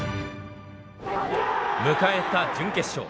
迎えた準決勝。